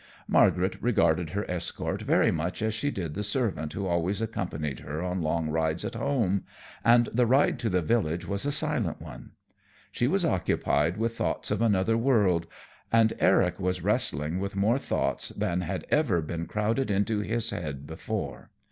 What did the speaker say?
Margaret regarded her escort very much as she did the servant who always accompanied her on long rides at home, and the ride to the village was a silent one. She was occupied with thoughts of another world, and Eric was wrestling with more thoughts than had ever been crowded into his head before.